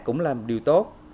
cũng là một điều tốt